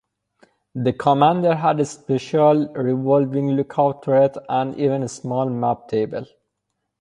The commander had a special revolving lookout turret and even a small map table.